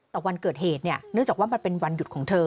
แต่วันเกิดเหตุเนี่ยเนื่องจากว่ามันเป็นวันหยุดของเธอ